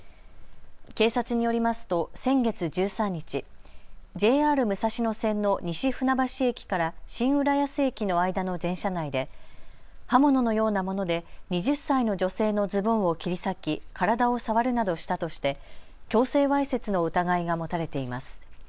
警察によりますと先月１３日、ＪＲ武蔵野線の西船橋駅から新浦安駅の間の電車内で刃物のようなもので２０歳の女性のズボンを切り裂き体を触るなどしたとして強制わいせつの疑いが持たれています。